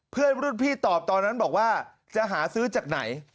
เพื่อนรุ่นพี่ตอบตอนนั้นบอกว่าจะหาซื้อจากไหน